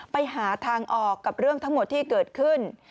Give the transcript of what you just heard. ไปหาทางออกกับเรื่องทั้งหมดที่เกิดขึ้น